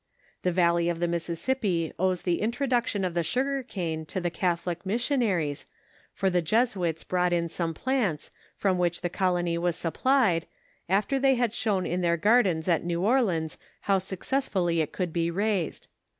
The valley of the Mississippi owes the introduc tion of the sugar cane to the Catholic missionaries, for the Jesuits brought in some plants from which the colony was supplied, after they had shown in their gardens at New Orleans how successfully it could bo raised.